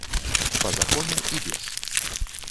Па закону і без.